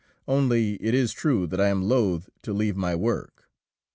Only, it is true that I am loath to leave my work.